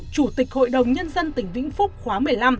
chủ tịch hội đồng nhân dân tỉnh vĩnh phúc khóa một mươi năm